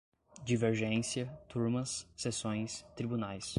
divergência, turmas, seções, tribunais